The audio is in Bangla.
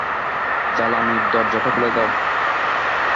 জ্বালানির দরজাটা খুলে দাও।